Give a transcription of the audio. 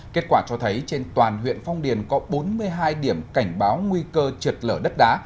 kết quả cho thấy trên toàn huyện phong điền có bốn mươi hai điểm cảnh báo nguy cơ trượt lở đất đá